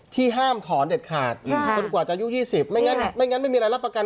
ที่ห้ามถอนเด็ดขาดใช่ค่ะจนกว่าจะอายุยี่สิบไม่งั้นไม่งั้นไม่มีอะไรรับประกัน